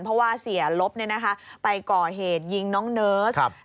เพราะว่าเสียลบไปก่อเหตุยิงน้องเนิร์ส